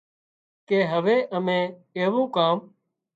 ڪي هوي امين ايوون ڪام